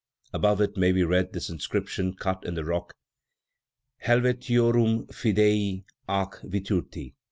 Above it may be read this inscription cut in the rock: HELVETIORUM FIDEI AC VIRTUTI.